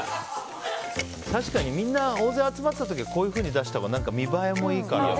確かにみんな大勢集まった時はこういうふうに出したほうが見栄えもいいからね。